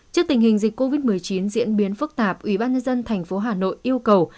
trước tình hình dịch covid một mươi chín diễn biến phức tạp ubnd tp hà nội yêu cầu